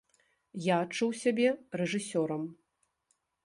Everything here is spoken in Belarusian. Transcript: Я адчуў сябе рэжысёрам.